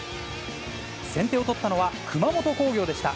先手を取ったのは熊本工業でした。